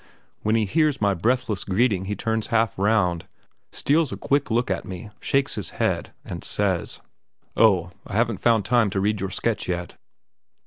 When he hears my breathless greeting he turns half round, steals a quick look at me, shakes his head, and says: "Oh, I haven't found time to read your sketch yet."